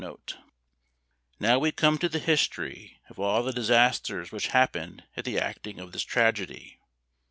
Now we come to the history of all the disasters which happened at the acting of this tragedy.